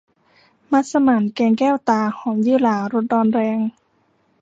มัสหมั่นแกงแก้วตา หอมยี่หร่ารสร้อนแรง